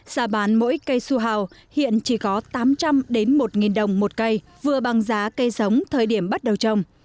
giá bán mỗi cây su hào hiện chỉ có tám trăm linh đến một đồng một cây vừa bằng giá cây sống thời điểm bắt đầu trồng